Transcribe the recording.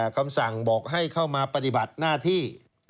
คำสั่งบอกให้เข้ามาปฏิบัติหน้าที่